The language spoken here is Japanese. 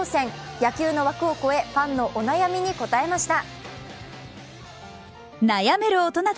野球の枠を越えファンのお悩みに答えました。